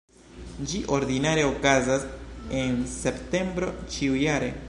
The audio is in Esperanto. Ĝi ordinare okazas en septembro ĉiujare.